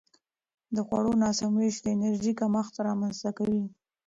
د خوړو ناسم وېش د انرژي کمښت رامنځته کوي.